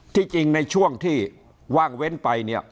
ที่จริงในช่วงที่ว่างเว้นไปเนี่ย